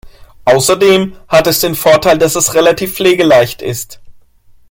Außerdem hat es den Vorteil, dass es relativ pflegeleicht ist.